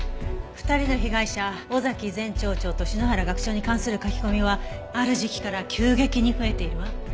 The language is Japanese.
２人の被害者尾崎前町長と篠原学長に関する書き込みはある時期から急激に増えているわ。